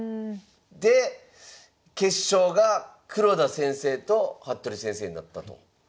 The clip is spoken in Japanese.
で決勝が黒田先生と服部先生になったと。